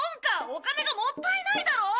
お金がもったいないだろ？